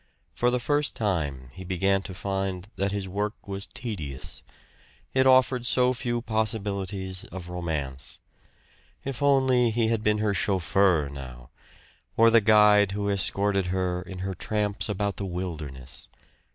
For the first time he began to find that his work was tedious; it offered so few possibilities of romance! If only he had been her chauffeur, now! Or the guide who escorted her in her tramps about the wilderness!